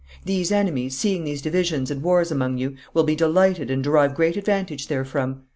These enemies, seeing these divisions and wars among you, will be delighted and derive great advantage therefrom.